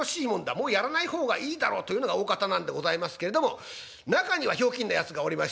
もうやらない方がいいだろうというのがおおかたなんでございますけれども中にはひょうきんなやつがおりまして。